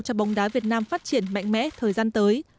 cho bóng đá việt nam phát triển mạnh mẽ thời gian tới